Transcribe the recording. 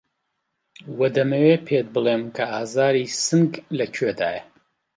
وە دەمەوێ پێت بڵێم کە ئازاری سنگ لە کوێدایه